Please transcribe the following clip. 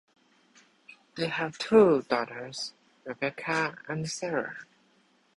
They have two daughters, Rebecca and Sarah.